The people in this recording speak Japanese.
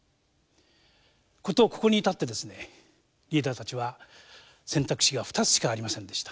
事ここに至ってリーダーたちは選択肢が２つしかありませんでした。